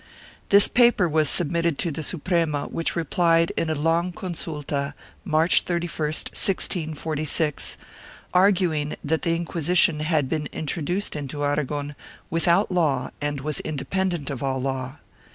This paper was submitted to the Suprema which replied in a long consulta, March 31, 1646, arguing that the Inquisition had been introduced into Aragon without law and was independent of all law.